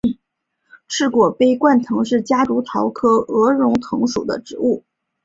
翅果杯冠藤是夹竹桃科鹅绒藤属的植物。